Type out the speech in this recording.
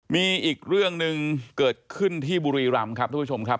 มีอีกเรื่องหนึ่งเกิดขึ้นที่บุรีรำครับทุกผู้ชมครับ